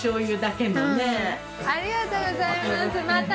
ありがとうございますまた！